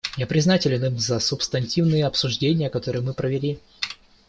Я признателен им за субстантивные обсуждения, которые мы провели.